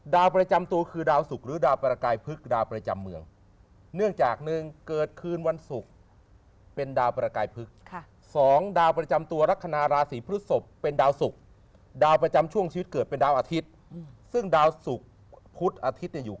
ดาวประจำช่วงชีวิตเกิดเป็นดาวอาทิตย์อืมซึ่งดาวสุขพุธอาทิตย์เนี่ยอยู่